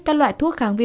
các loại thuốc kháng viễn